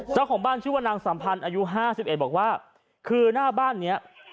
เจ้าของบ้านชื่อว่านางสัมพันธ์อายุ๕๑บอกว่าคือหน้าบ้านเนี้ย